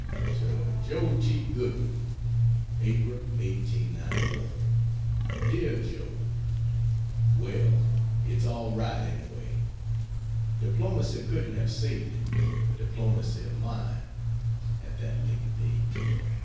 To Joe T. Goodman: April [?] 1891. DEAR JOE, Well, it's all right, anyway. Diplomacy couldn't have saved it diplomacy of mine at that late day.